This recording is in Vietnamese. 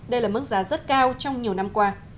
đây là mức giá rất cao trong nhiều năm qua